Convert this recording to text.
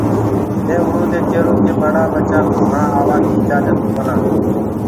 مي اُرو دي ڪيرو ڪي ٻڙآ ٻچآنٚ ڪوُ وهآنٚ آوآڪيٚ اِجآجت ڪونآ پڇي